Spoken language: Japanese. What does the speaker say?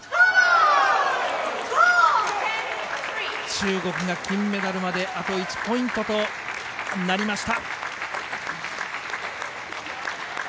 中国が金メダルまであと１ポイントとなりました。